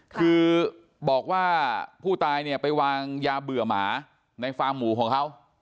คือบอกว่าผู้ตายเนี่ยไปวางยาเบื่อหมาในฟาร์มหมูของเขา